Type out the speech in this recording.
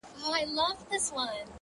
پوهه د تیارو افکارو څراغ دی.!